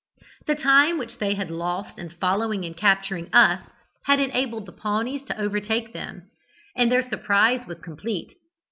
The time which they had lost in following and capturing us had enabled the Pawnees to overtake them, and their surprise was complete.